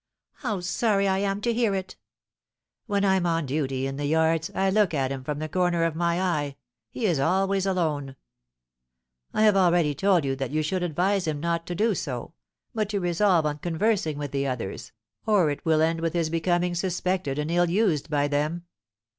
"How sorry I am to hear it!" "When I'm on duty in the yards, I look at him from the corner of my eye, he is always alone. I have already told you that you should advise him not to do so, but to resolve on conversing with the others, or it will end with his becoming suspected and ill used by them.